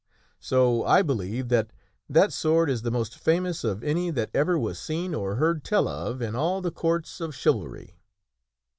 So, I believe that that sword is the most famous of any that ever was seen or heard tell of in all the Courts of Chivalry.